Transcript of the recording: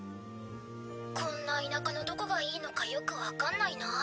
こんな田舎のどこがいいのかよく分かんないな。